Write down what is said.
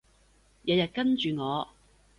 日日跟住我